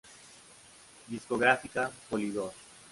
Discográfica: Polydor